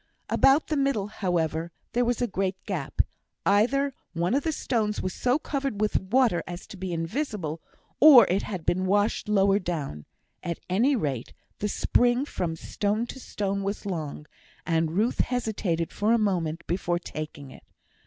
About the middle, however, there was a great gap; either one of the stones was so covered with water as to be invisible, or it had been washed lower down; at any rate, the spring from stone to stone was long, and Ruth hesitated for a moment before taking it.